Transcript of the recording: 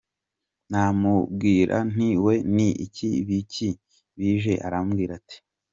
ndamubwira nti we nti ni ibiki bije?, arambwira ati .